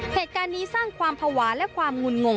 เหตุการณ์นี้สร้างความภาวะและความงุ่นงง